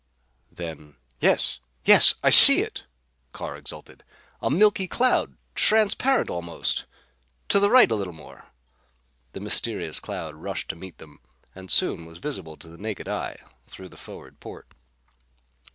Then: "Yes! Yes! I see it!" Carr exulted. "A milky cloud. Transparent almost. To the right a little more!" The mysterious cloud rushed to meet them and soon was visible to the naked eye through the forward port.